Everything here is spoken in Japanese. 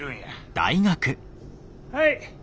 はい。